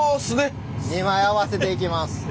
２枚合わせていきます。